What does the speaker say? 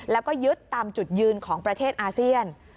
แล้วก็ยึดตามจุดยืนของประเทศอาเซียน